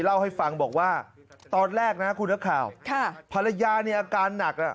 เล่าให้ฟังบอกว่าตอนแรกนะคุณนักข่าวภรรยาเนี่ยอาการหนักอ่ะ